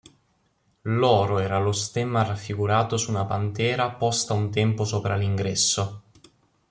Loro era lo stemma raffigurato su una patera posta un tempo sopra l'ingresso.